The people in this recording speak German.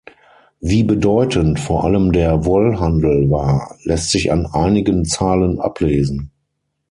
Wie bedeutend vor allem der Wollhandel war, lässt sich an einigen Zahlen ablesen.